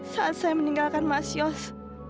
saat saya meninggalkan mas yos